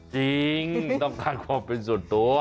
จริงต้องการความเป็นส่วนตัว